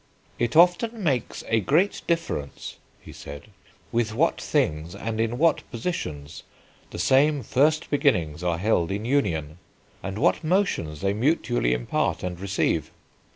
"It often makes a great difference," he said, "with what things, and in what positions the same first beginnings are held in union, and what motions they mutually impart and receive."